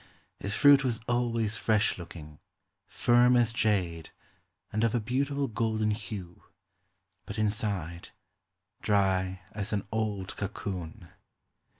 His fruit was always fresh looking, firm as jade, and of a beautiful golden hue; but inside — dry as an old cocoon.